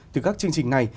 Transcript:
từ các chương trình này